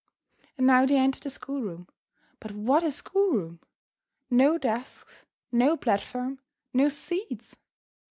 And now they enter the schoolroom. But what a schoolroom! No desks, no platform, no seats!